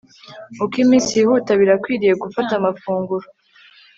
Uko iminsi yihuta birakwiriye gufata amafunguro